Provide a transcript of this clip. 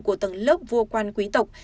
của tầng lớp vua quan quý tộc